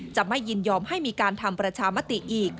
จะไม่ยินยอมให้มีการทำประชามติอีก